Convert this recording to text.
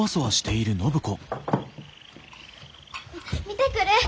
見てくる！